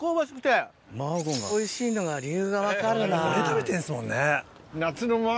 これ食べてんですもんね。